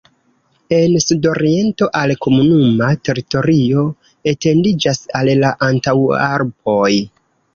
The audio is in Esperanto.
En sudoriento al komunuma teritorio etendiĝas al la Antaŭalpoj.